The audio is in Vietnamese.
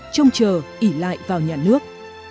trông chờ ỉ lại vào nhà nước